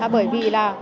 bởi vì là